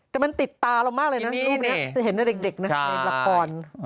แต่มันติดตาเรามากเลยนะรูปนี้จะเห็นแต่เด็กนะในละคร